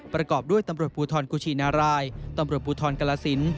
ประกอบด้วยตำรวจภูทรกุชินารายตำรวจภูทรกรสิน